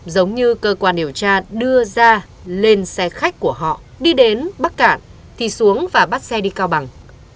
giống như cơ quan điều tra đưa ra lên xe khách của họ đi đến bắc cạn thì xuống và bắt xe đi cao bằng